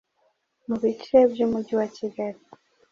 mu bice by’umujyi wa Kigari